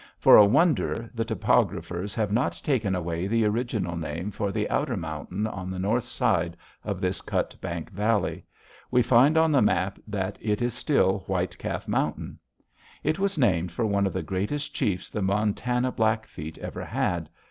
For a wonder, the topographers have not taken away the original name for the outer mountain on the north side of this Cutbank Valley: we find on the map that it is still White Calf Mountain. It was named for one of the greatest chiefs the Montana Blackfeet ever had.